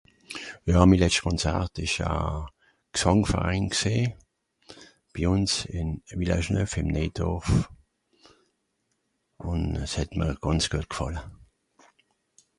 Ja mi letscht Konzart ìsch a Gsàngverein gsìì, bi uns ìn Village Neuf, ìm Néidorf, un es het m'r gànz güet gfàlle.